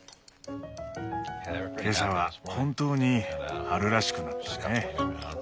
今朝は本当に春らしくなったね。